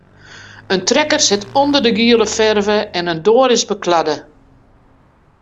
In trekker sit ûnder de giele ferve en in doar is bekladde.